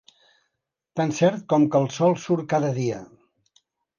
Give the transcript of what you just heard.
Tan cert com que el sol sort cada dia.